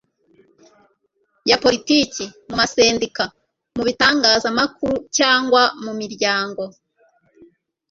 ya poritiki, mu masendika, mu bitangazamakuru cyangwa mu miryango